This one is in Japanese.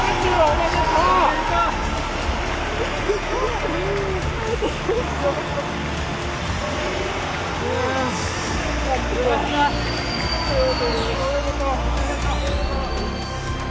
おめでとう。